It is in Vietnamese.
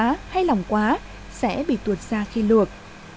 hay lỏng quá hay lỏng quá sẽ bị tuột ra khi luộc